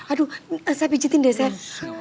aduh saya pijetin deh sayang